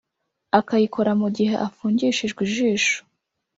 akayikora mu gihe afungishijwe ijisho